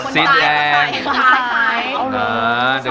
สีแดงคนขวาคนซ้ายเขาใส่